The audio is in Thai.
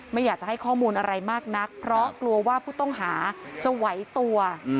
ไม่อยากจะให้ข้อมูลอะไรมากนักเพราะกลัวว่าผู้ต้องหาจะไหวตัว